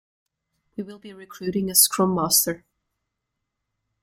We will be recruiting a scrum master.